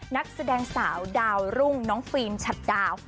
นักแสดงสาวดาวรุ่งน้องฟิล์มชัดดาว